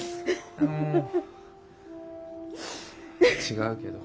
違うけど。